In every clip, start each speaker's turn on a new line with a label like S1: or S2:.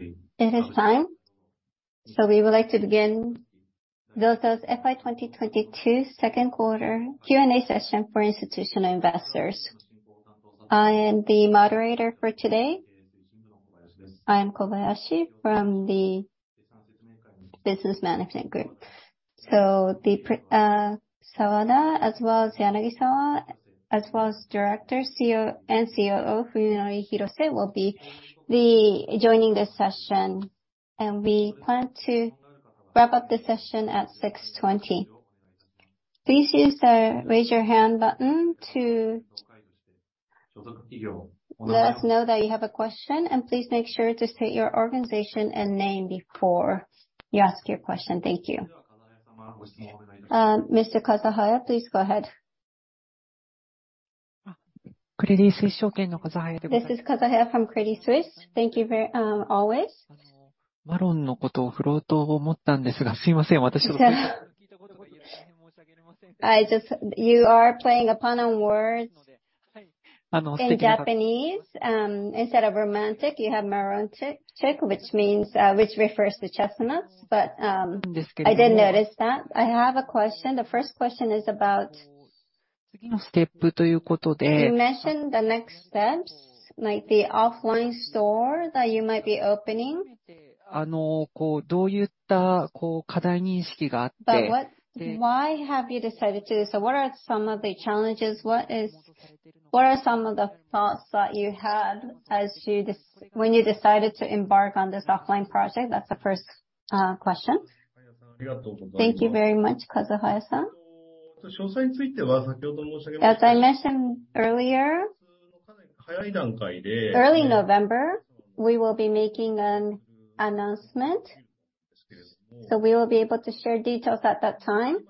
S1: It is time, so we would like to begin the FY 2022 Second Quarter Q&A Session for Institutional Investors. I am the moderator for today. I am Kobayashi from the Business Management Group. Sawada as well as Yanagisawa, as well as Director, CEO and COO Fuminori Hirose will be joining this session. We plan to wrap up the session at 6:20. Please use the Raise Your Hand button to let us know that you have a question, and please make sure to state your organization and name before you ask your question. Thank you. Mr. Kazahaya, please go ahead.
S2: This is Kazahaya from Credit Suisse. Thank you, always. You are playing a pun on words in Japanese. Instead of romantic, you have marontic, which means, which refers to chestnuts. I did notice that. I have a question. The first question is about. You mentioned the next steps, like the offline store that you might be opening. What. Why have you decided to? What are some of the challenges? What are some of the thoughts that you had when you decided to embark on this offline project? That's the first question.
S3: Thank you very much, Kazahaya-san. As I mentioned earlier, early November, we will be making an announcement. We will be able to share details at that time.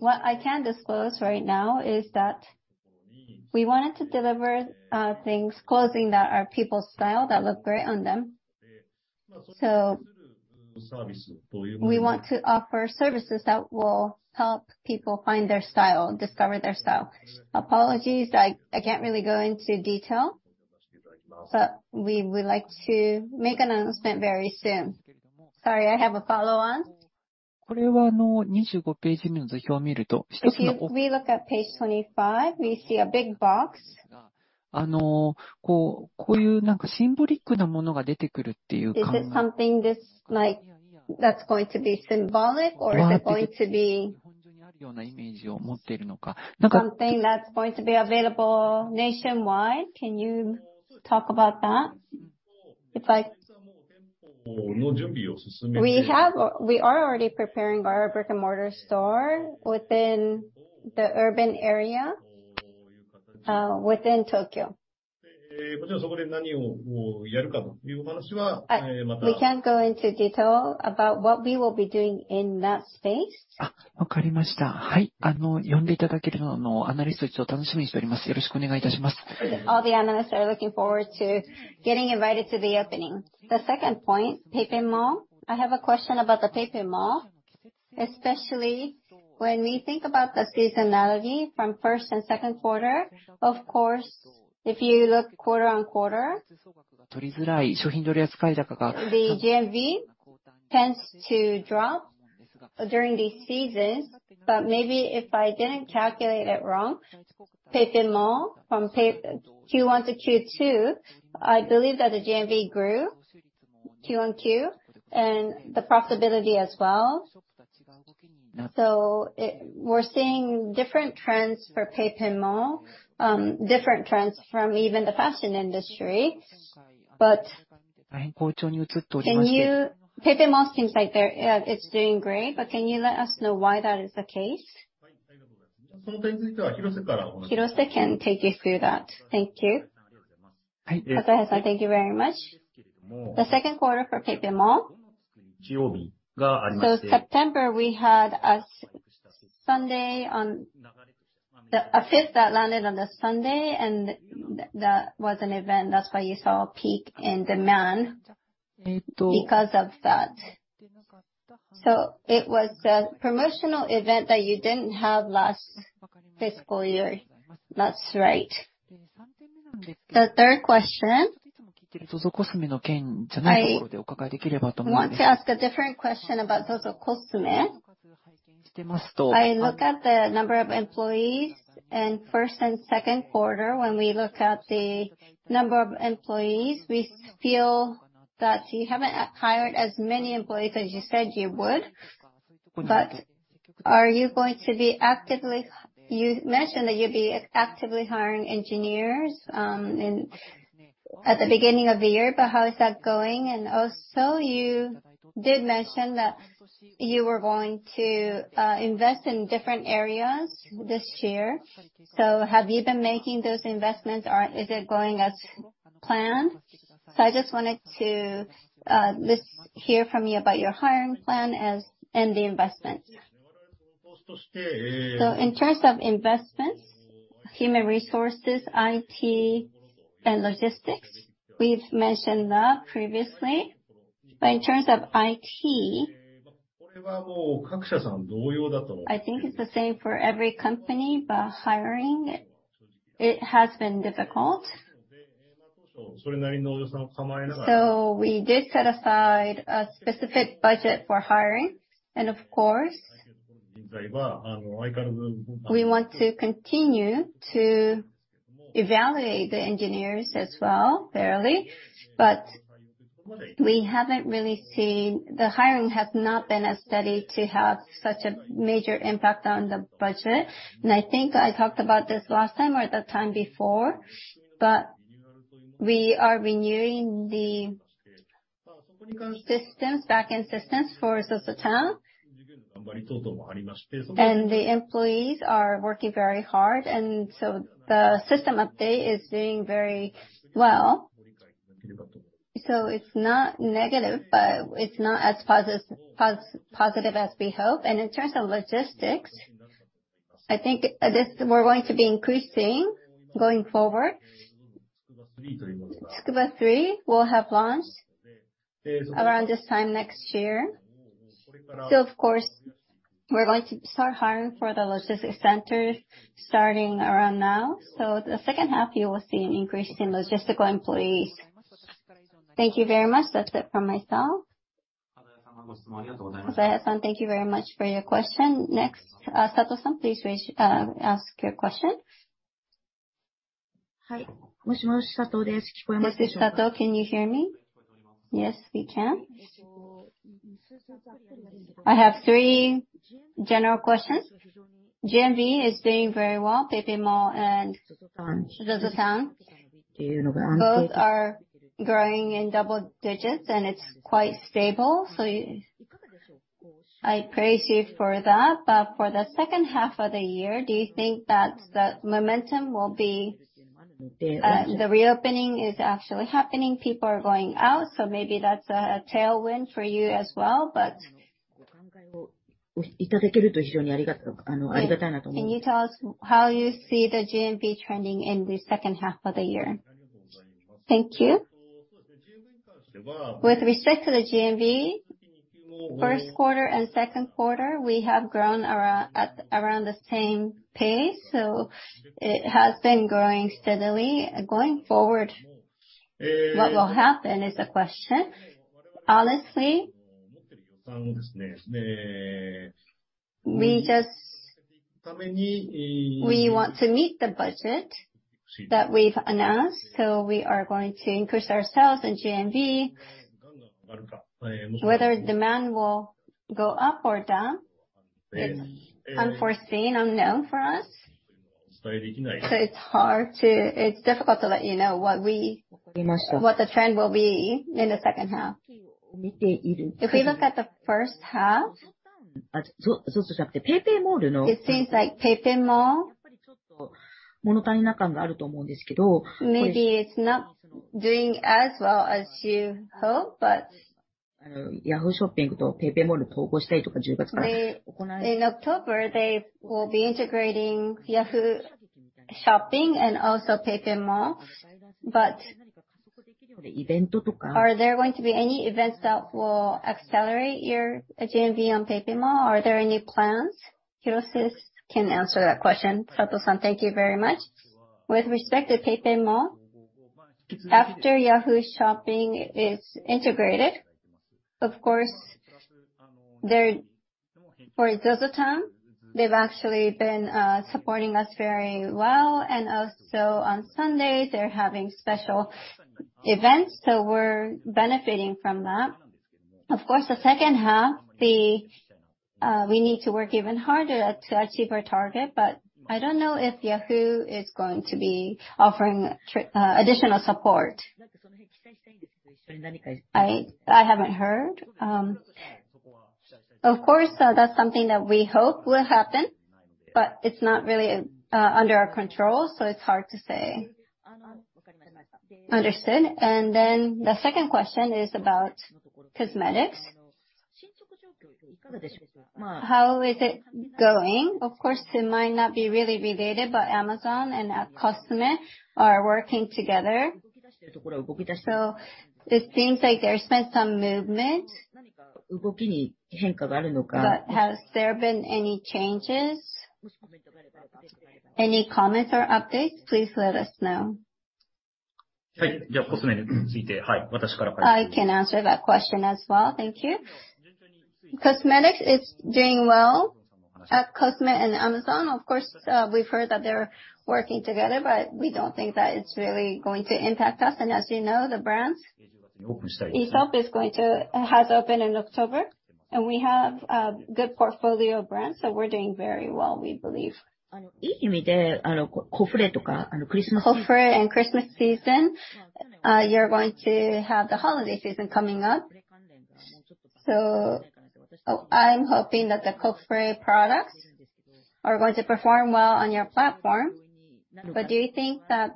S3: What I can disclose right now is that we wanted to deliver things, clothing that are people's style, that look great on them. We want to offer services that will help people find their style, discover their style. Apologies, I can't really go into detail, but we would like to make announcement very soon.
S2: Sorry, I have a follow-on. If we look at page 25, we see a big box. Is it something that's, like, that's going to be symbolic? Or is it going to be something that's going to be available nationwide? Can you talk about that?
S3: We are already preparing our brick-and-mortar store within the urban area, within Tokyo. We can't go into detail about what we will be doing in that space.
S2: All the analysts are looking forward to getting invited to the opening. The second point, PayPay Mall. I have a question about the PayPayMall, especially when we think about the seasonality from first and second quarter.
S3: Of course, if you look quarter-on-quarter, the GMV tends to drop during these seasons. Maybe if I didn't calculate it wrong, PayPayMall from Q1 to Q2, I believe that the GMV grew Q-on-Q and the profitability as well. We're seeing different trends for PayPayMall, different trends from even the fashion industry.
S2: PayPayMall seems like it's doing great, but can you let us know why that is the case?
S3: Hirose can take you through that. Thank you.
S4: Kazahaya-san, thank you very much. The second quarter for PayPay Mall. September, we had a Sunday on the fifth that landed on a Sunday, and that was an event. That's why you saw a peak in demand because of that. It was a promotional event that you didn't have last fiscal year.
S2: That's right. The third question. I want to ask a different question about ZOZOCOSME. I look at the number of employees in first and second quarter. When we look at the number of employees, we feel that you haven't hired as many employees as you said you would. Are you going to be actively hiring? You mentioned that you'd be actively hiring engineers at the beginning of the year, but how is that going? Also, you did mention that you were going to invest in different areas this year. Have you been making those investments or is it going as planned? I just wanted to hear from you about your hiring plan and the investment.
S3: In terms of investments, human resources, IT, and logistics, we've mentioned that previously. In terms of IT, I think it's the same for every company, but hiring, it has been difficult. We did set aside a specific budget for hiring and of course we want to continue to evaluate the engineers as well, fairly. We haven't really seen—the hiring has not been as steady to have such a major impact on the budget. I think I talked about this last time or the time before, but we are renewing the systems, back-end systems for ZOZOTOWN. The employees are working very hard and so the system update is doing very well. It's not negative, but it's not as positive as we hope. In terms of logistics, I think this, we're going to be increasing going forward. Tsukuba 3 will have launched around this time next year. Of course, we're going to start hiring for the logistics centers starting around now. The second half you will see an increase in logistical employees.
S2: Thank you very much. That's it from myself.
S1: Thank you very much for your question. Next, Sato-san, please ask your question.
S5: This is Sato. Can you hear me? Yes, we can. I have three general questions. GMV is doing very well. PayPayMall and ZOZOTOWN, both are growing in double digits, and it's quite stable, so I praise you for that. For the second half of the year, do you think that the momentum will be, the reopening is actually happening, people are going out, so maybe that's a tailwind for you as well. Can you tell us how you see the GMV trending in the second half of the year?
S3: Thank you. With respect to the GMV, first quarter and second quarter, we have grown at around the same pace, so it has been growing steadily. Going forward, what will happen is the question. Honestly, we just want to meet the budget that we've announced, so we are going to increase our sales and GMV. Whether demand will go up or down is unforeseen, unknown for us. It's difficult to let you know what the trend will be in the second half.
S5: Understood. If we look at the first half, it seems like PayPayMall, maybe it's not doing as well as you hope, but in October, they will be integrating Yahoo! Shopping and also PayPayMall. Are there going to be any events that will accelerate your GMV on PayPayMall?
S3: Are there any plans? Hirose can answer that question.
S4: Sato-san, thank you very much. With respect to PayPayMall, after Yahoo! Shopping is integrated, of course for ZOZOTOWN, they've actually been supporting us very well and also on Sundays, they're having special events, so we're benefiting from that. Of course, the second half, we need to work even harder to achieve our target, but I don't know if Yahoo! is going to be offering additional support. I haven't heard. Of course, that's something that we hope will happen, but it's not really under our control, so it's hard to say.
S5: Understood. The second question is about cosmetics. How is it going? Of course, it might not be really related, but Amazon and @cosme are working together. It seems like there's been some movement. Has there been any changes? Any comments or updates? Please let us know.
S4: I can answer that question as well. Thank you. Cosmetics is doing well at @cosme and Amazon. Of course, we've heard that they're working together, but we don't think that it's really going to impact us. As you know, the brands, Aesop has opened in October, and we have a good portfolio of brands, so we're doing very well, we believe.
S5: COSRX and Christmas season, you're going to have the holiday season coming up. So I'm hoping that the COSRX products are going to perform well on your platform. But do you think that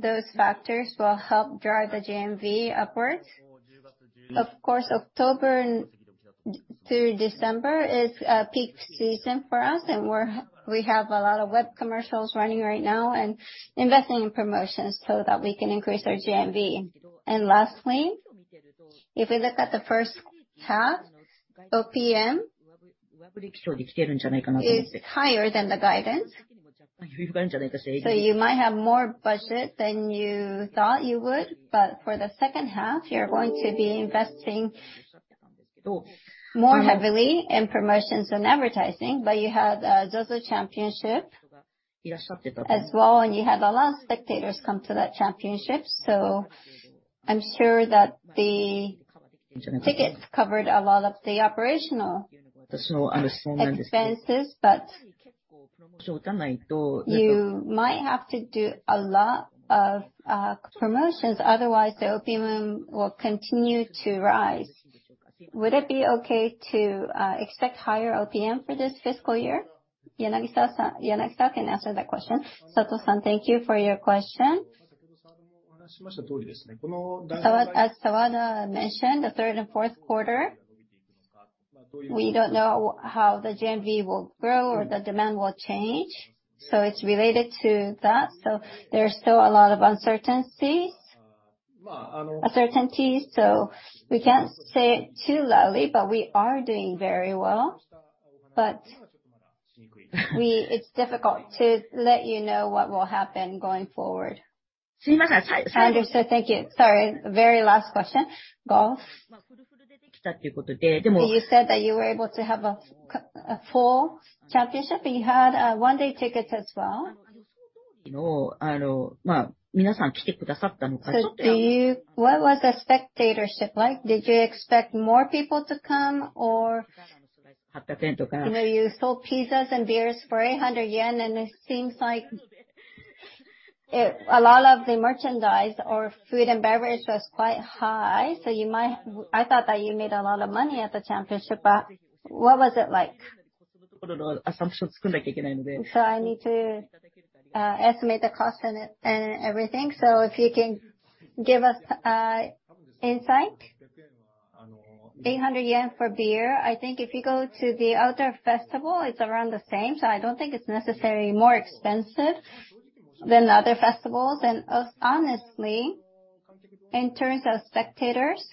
S5: those factors will help drive the GMV upwards?
S4: Of course, October through December is a peak season for us and we have a lot of web commercials running right now and investing in promotions so that we can increase our GMV. Lastly, if we look at the first half, OPM is higher than the guidance.
S5: You might have more budget than you thought you would, but for the second half, you're going to be investing more heavily in promotions and advertising. You had ZOZO CHAMPIONSHIP as well, and you had a lot of spectators come to that championship, so I'm sure that the tickets covered a lot of the operational expenses, but you might have to do a lot of promotions, otherwise the OPM will continue to rise. Would it be okay to expect higher OPM for this fiscal year?
S3: Yanagisawa-san, Yanagi-san can answer that question.
S6: Sato-san, thank you for your question. As Sawada mentioned, the third and fourth quarter, we don't know how the GMV will grow or the demand will change. It's related to that. There's still a lot of uncertainties, so we can't say it too loudly, but we are doing very well. It's difficult to let you know what will happen going forward. Sorry.
S5: Understood. Thank you. Sorry. Very last question. Golf. You said that you were able to have a full championship, and you had a one-day ticket as well. What was the spectatorship like? Did you expect more people to come or you know, you sold pizzas and beers for 800 yen, and it seems like a lot of the merchandise or food and beverage was quite high. You might. I thought that you made a lot of money at the championship. What was it like?
S6: I need to estimate the cost and everything, so if you can give us insight. 800 yen for beer. I think if you go to the outdoor festival, it's around the same. I don't think it's necessarily more expensive than other festivals. Honestly, in terms of spectators,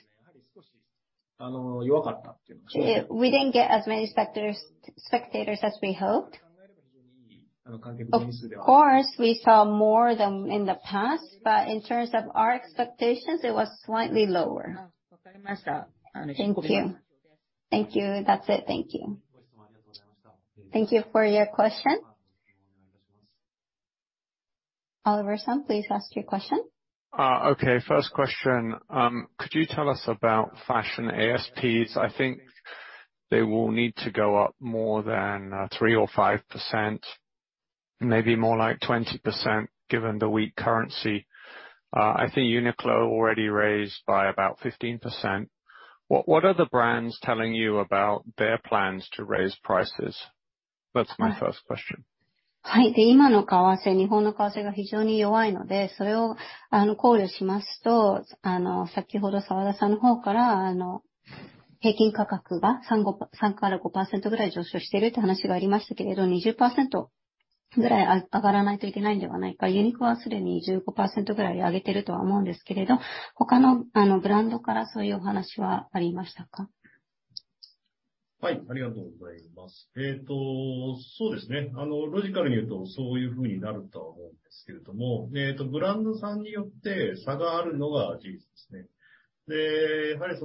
S6: we didn't get as many spectators as we hoped. Of course, we saw more than in the past, but in terms of our expectations, it was slightly lower. Thank you.
S5: Thank you. That's it. Thank you.
S1: Thank you for your question. Oliver-san, please ask your question.
S7: Okay. First question. Could you tell us about fashion ASPs? I think they will need to go up more than 3% or 5%, maybe more like 20%, given the weak currency. I think Uniqlo already raised by about 15%. What are the brands telling you about their plans to raise prices? That's my first question.
S1: The current exchange rate, the Japanese exchange rate, is very weak. If you take that into consideration, Mr. Sawada said earlier that the average price has increased by about 3%-5%. I think it needs to increase by about 20%. I think Uniqlo has already increased it by about 15%. Have you heard anything from other brands?
S3: Yes, thank you. Well, logically, I think it will be like that. It is true that there are differences between brands. It is true that brands that are selling at a high price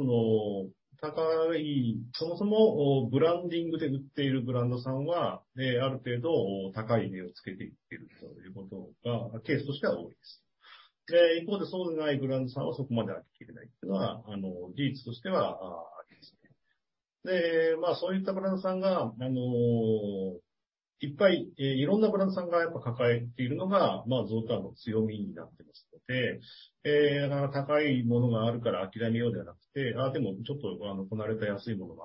S3: because of their branding tend to have a higher price. On the other hand, brands that are not like that do not have to raise the price that much. It is true that there are a lot of such brands. It is ZOZO's strength to have a lot of different brands. It is not that we give up because there are expensive ones,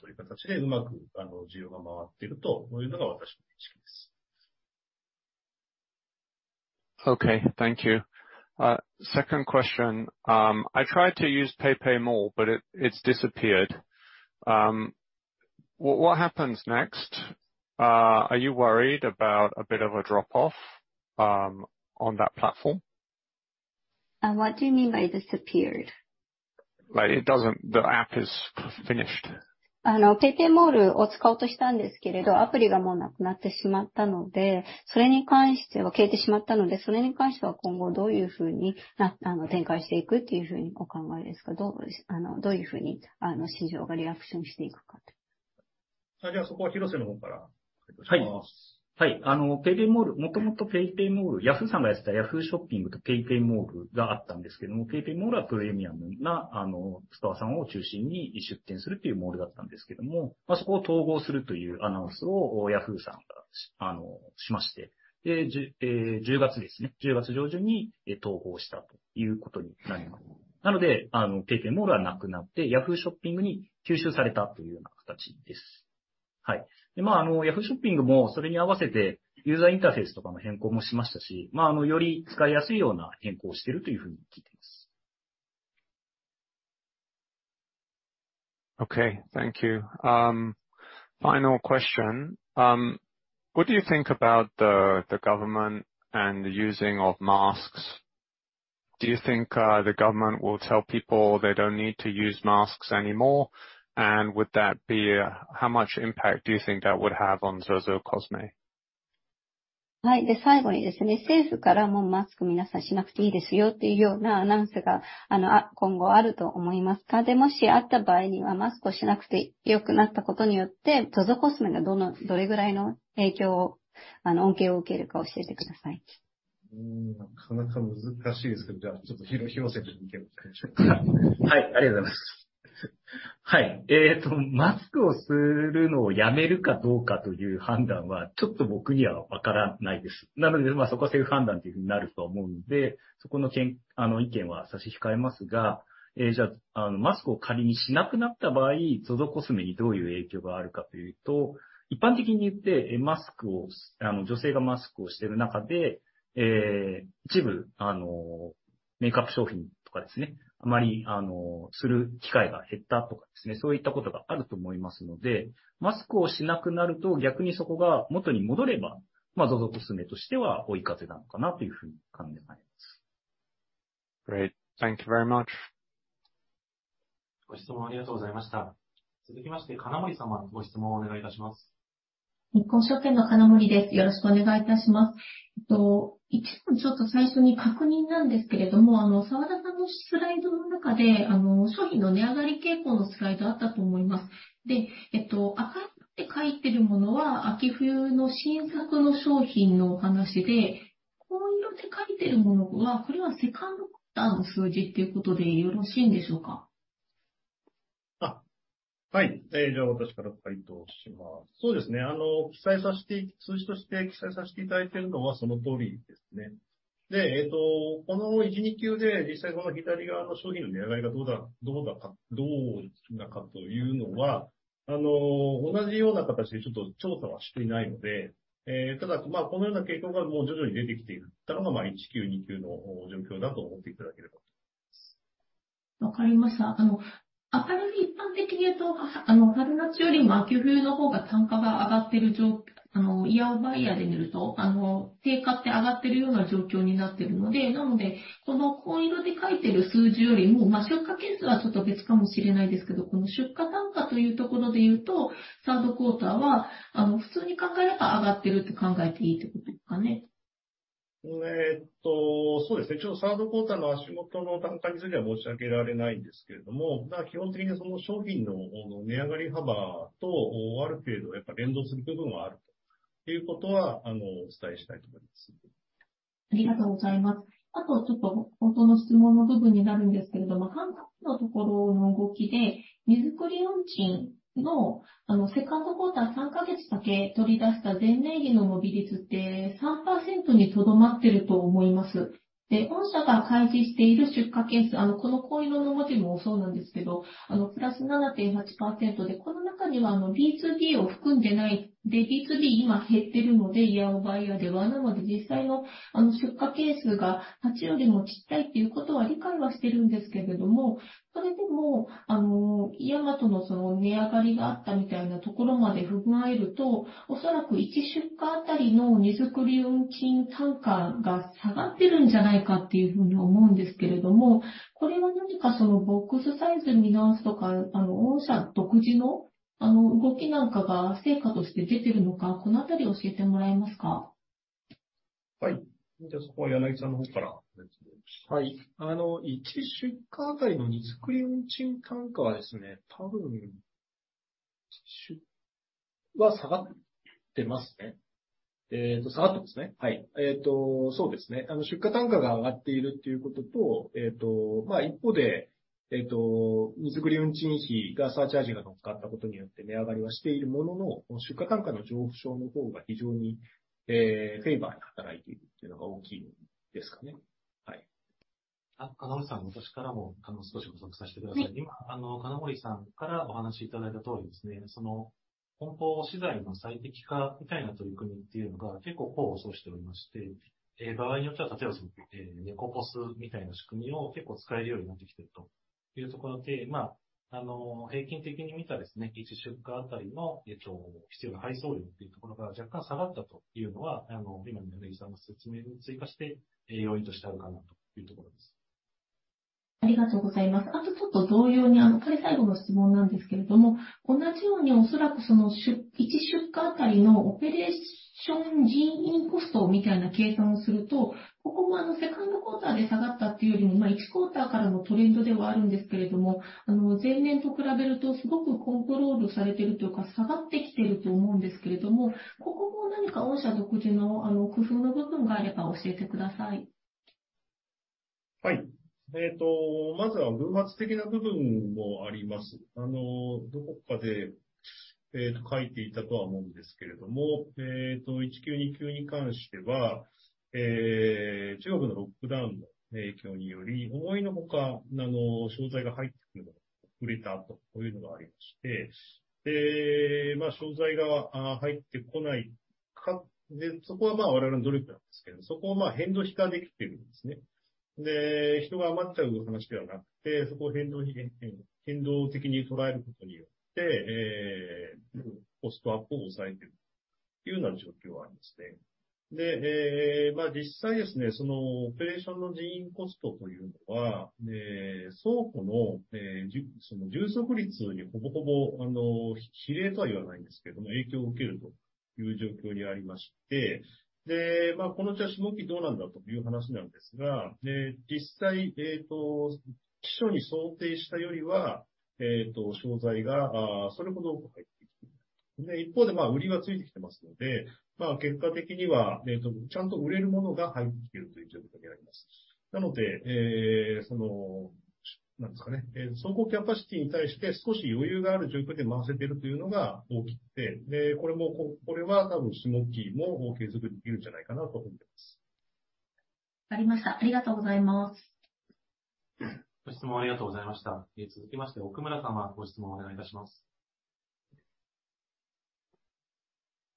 S3: but we buy the ones that are a little cheaper. That is my opinion.
S7: Okay. Thank you. Second question. I tried to use PayPayMall, but it's disappeared. What happens next? Are you worried about a bit of a drop-off on that platform?
S1: What do you mean by disappeared?
S7: The app is finished.
S1: PayPayMall. I tried to use PayPayMall, but the app is no longer available. What do you think will happen in the future? How do you think the market will react?
S3: Hirose.
S4: Yes. PayPayMall. Originally, PayPayMall. Yahoo! was running Yahoo! Shopping and PayPayMall. PayPayMall was a mall where premium stores opened up. Yahoo! announced that they would merge the two. In October, they merged them in early October. PayPayMall is no longer available. It was absorbed by Yahoo! Shopping. Yahoo! Shopping also changed the user interface to make it easier to use.
S7: Okay. Thank you. Final question. What do you think about the government and the use of masks? Do you think the government will tell people they don't need to use masks anymore? Would that be how much impact do you think that would have on ZOZOCOSME?
S8: はい。で、最後にですね、政府からもうマスク皆さんしなくていいですよっていうようなアナウンスが、今後あると思いますが、もしあった場合にはマスクをしなくてよくなったことによってZOZOCOSMEがどのどれぐらいの影響を、恩恵を受けるか教えてください。
S3: なかなか難しいですけど、じゃあちょっと廣瀬くんいけますか。
S7: Great. Thank you very much.
S1: ご質問ありがとうございました。続きまして、金森様、ご質問をお願いいたします。
S9: SMBC日興証券の金森です。よろしくお願いいたします。1点ちょっと最初に確認なんですけれども、澤田さんのスライドの中で、商品の値上がり傾向のスライドあったと思います。えっと、赤って書いてるものは秋冬の新作の商品のお話で、紺色って書いてるものは、これはセカンドクオーターの数字っていうことでよろしいんでしょうか。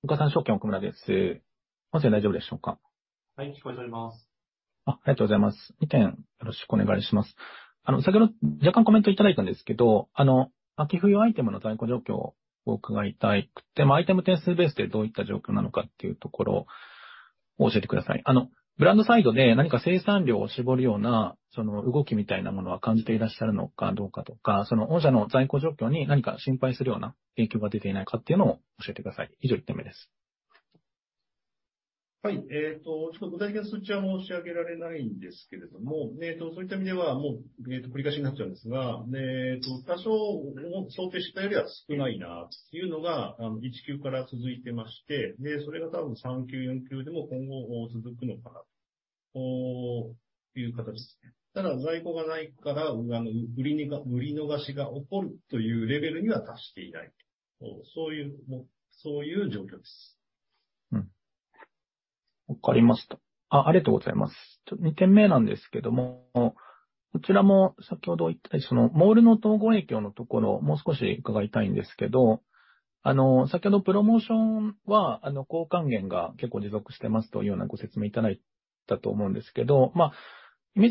S3: 年末的な部分もあります。どこかで書いていたとは思うんですけれども、一Q二Qに関しては、中国のロックダウンの影響により、思いのほか、商材が入ってくるのが遅れたというのがありまして。商材が入ってこない、そこはまあ我々の努力なんですけど、そこをまあ変動費化できているんですね。人が余っちゃう話ではなくて、そこを変動に、変動的に捉えることによって、コストアップを抑えている。You know, actually, the personnel costs for operations are almost directly impacted by the storage capacity utilization rate. The question is, how will this affect the next period? Actually, fewer materials have come in than initially anticipated. At the same time, sales are keeping up,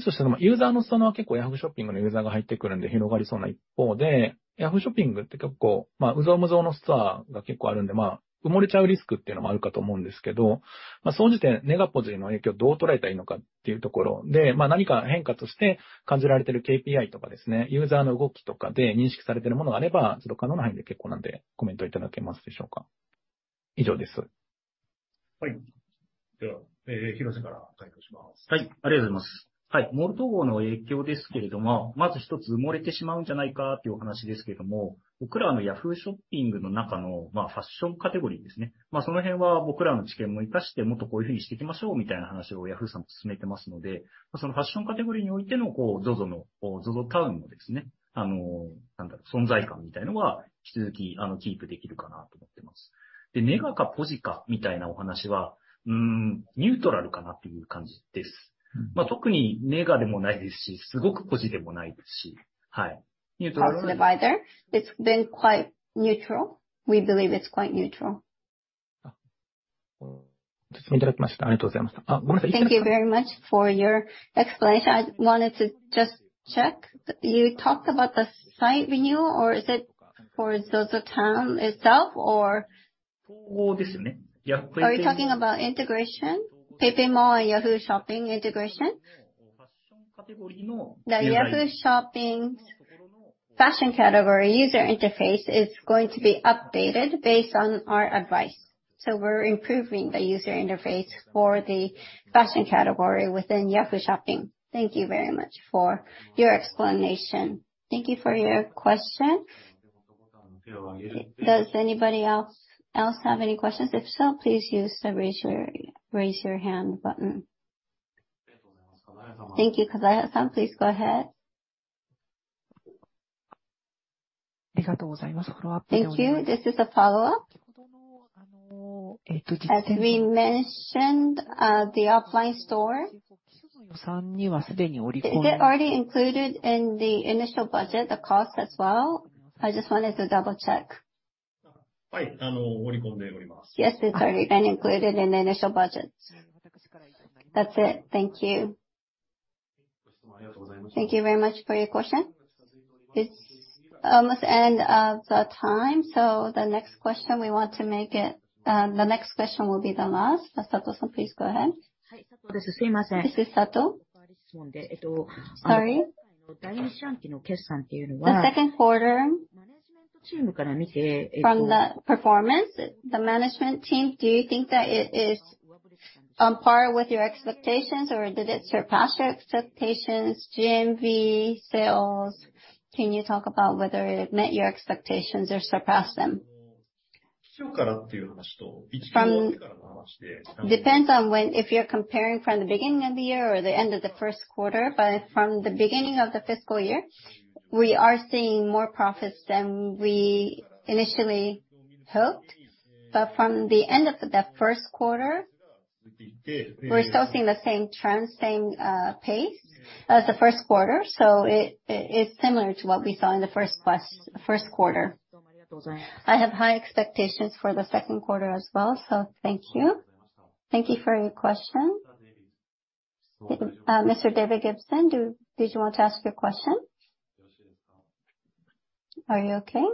S3: so ultimately, only items that can be sold are coming in. Therefore, the capacity is being utilized with some leeway, which is a good thing. I think this will likely continue into the next period as well.
S1: Understood. Thank you. Thank you for your question. Next, Mr. Okumura, please go ahead.
S10: Okumura from Okasan PayPayMall and Yahoo! Shopping integration?
S3: The Yahoo! Shopping fashion category user interface is going to be updated based on our advice. We're improving the user interface for the fashion category within Yahoo! Shopping.
S10: Thank you very much for your explanation.
S1: Thank you for your question. Does anybody else have any questions? If so, please use the raise your hand button. Thank you. Kazahaya-san, please go ahead.
S2: Thank you. This is a follow-up. As we mentioned, the offline store. Is it already included in the initial budget, the cost as well? I just wanted to double check.
S3: Yes.
S1: Yes. It's already been included in the initial budget.
S2: That's it. Thank you.
S1: Thank you very much for your question. It's almost the end of the time. The next question will be the last. Sato-san, please go ahead.
S5: This is Sato. Sorry. The second quarter from the performance, the management team, do you think that it is on par with your expectations or did it surpass your expectations? GMV, sales, can you talk about whether it met your expectations or surpassed them?
S3: Depends on when if you're comparing from the beginning of the year or the end of the first quarter. From the beginning of the fiscal year, we are seeing more profits than we initially hoped. From the end of the first quarter, we're still seeing the same trends, same pace as the first quarter. It's similar to what we saw in the first quarter. I have high expectations for the second quarter as well.
S5: Thank you.
S1: Thank you for your question. Mr. David Gibson, did you want to ask your question? Are you okay?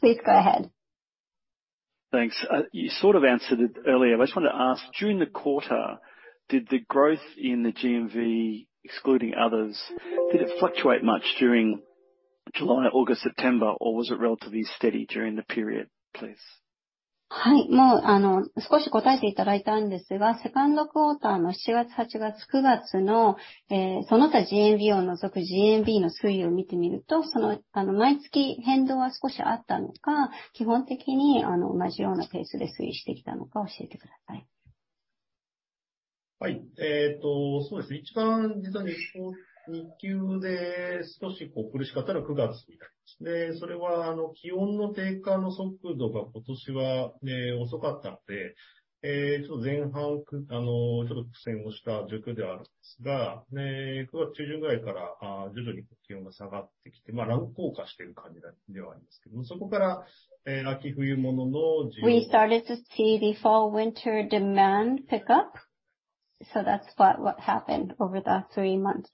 S1: Please go ahead.
S11: Thanks. You sort of answered it earlier. I just wanted to ask, during the quarter, did the growth in the GMV excluding others, did it fluctuate much during July, August, September, or was it relatively steady during the period, please?
S1: We started to see the fall winter demand pick up. That's what happened over the three months.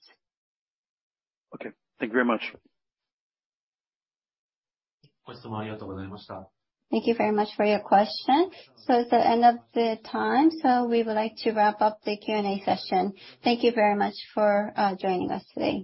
S11: Okay. Thank you very much.
S1: Thank you very much for your question. It's the end of the time. We would like to wrap up the Q&A session. Thank you very much for joining us today.